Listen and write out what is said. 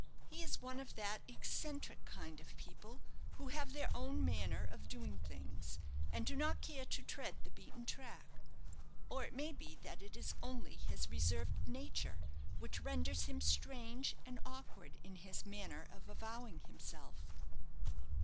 "He is one of that eccentric kind of people who have their own manner of doing things, and do not care to tread the beaten track; or it may be that it is only his reserved nature which renders him strange and awkward in his manner of avowing himself."